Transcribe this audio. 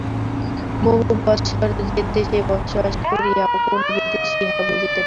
বহু বৎসর সে-দেশে বাস করিয়াও কোন বিদেশী ইহা বুঝিতে পারেন না।